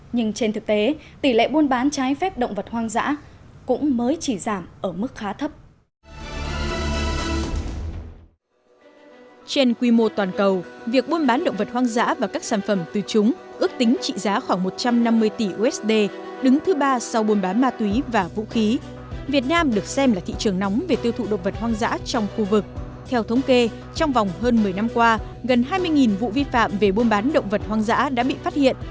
nhưng trên thực tế tỷ lệ buôn bán trái phép động vật hoang dã cũng mới chỉ giảm ở mức khá thấp